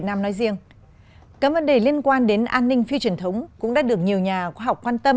các vấn đề liên quan đến an ninh phi truyền thống cũng đã được nhiều nhà khoa học quan tâm